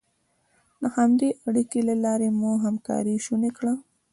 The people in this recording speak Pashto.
د همدې اړیکې له لارې مو همکاري شونې کړه.